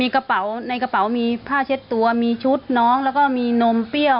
กระเป๋าในกระเป๋ามีผ้าเช็ดตัวมีชุดน้องแล้วก็มีนมเปรี้ยว